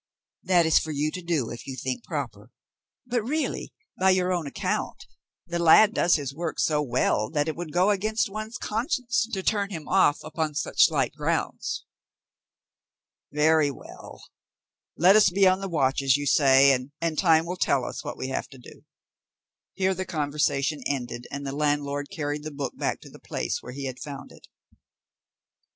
"That is for you to do if you think proper. But really, by your own account, the lad does his work so well that it would go against one's conscience to turn him off upon such slight grounds." "Very well; let us be on the watch as you say, and time will tell us what we have to do." Here the conversation ended, and the landlord carried the book back to the place where he had found it.